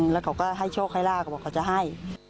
แล้วเขาก็ให้โชคให้ลาบเขาบอกเขาจะให้